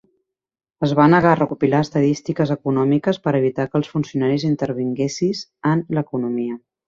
Es va negar a recopilar estadístiques econòmiques per evitar que els funcionaris intervinguessis en l'economia.